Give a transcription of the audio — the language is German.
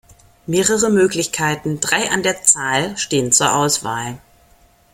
Mehrere Möglichkeiten, drei an der Zahl, stehen zur Auswahl.